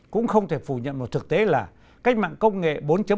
cũng không thể phủ nhận một thực tế là cách mạng công nghệ bốn